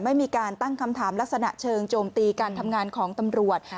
ไม่มีการตั้งคำถามลักษณะเชิงโจมตีการทำงานของตำรวจ